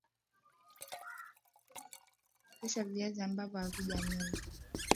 Osha viazi ambavyo havijamenywa